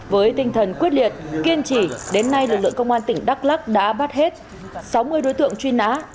với tinh thần quyết liệt kiên trì đến nay lực lượng công an tỉnh đắk lắc đã bắt hết sáu mươi đối tượng truy nã